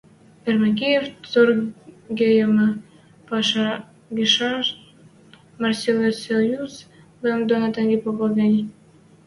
— Эрмекеев торгейӹмӹ пӓшӓ гишӓн Марсельлессоюз лӹм доно тенге попа гӹнь